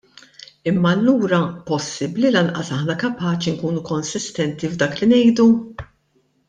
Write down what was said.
Imma allura possibbli lanqas aħna kapaċi nkunu konsistenti f'dak li ngħidu?